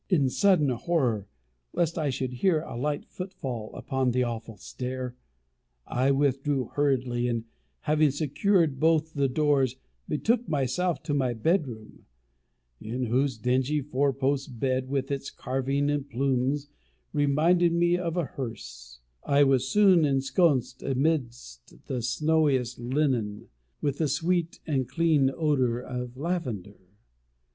In sudden horror, lest I should hear a light footfall upon the awful stair, I withdrew hurriedly, and having secured both the doors, betook myself to my bedroom; in whose dingy four post bed, with its carving and plumes reminding me of a hearse, I was soon ensconced amidst the snowiest linen, with the sweet and clean odour of lavender.